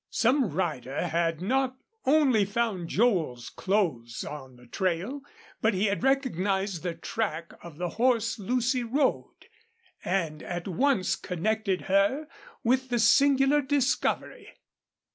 Some rider had not only found Joel's clothes on the trail, but he had recognized the track of the horse Lucy rode, and at once connected her with the singular discovery.